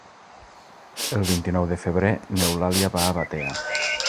El vint-i-nou de febrer n'Eulàlia va a Batea.